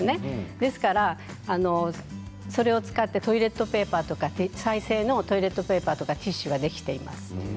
ですからそれを使ってトイレットペーパーとか再生のトイレットペーパーやティッシュができています。